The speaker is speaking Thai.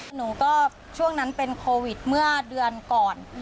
หนูก็ช่วงนั้นเป็นโควิดเมื่อเดือนก่อน